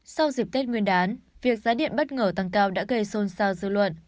sau dịp tết nguyên đán việc giá điện bất ngờ tăng cao đã gây xôn xao dư luận